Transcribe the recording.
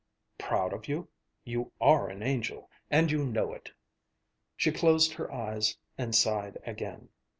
"Proud of you? You are an angel, and you know it." She closed her eyes and sighed again.